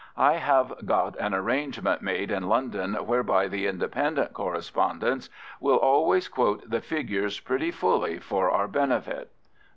I have got an arrangement made in London whereby the 'Independent' correspondents will always quote the figures pretty fully for our benefit.